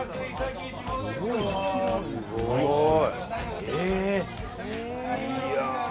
すごい！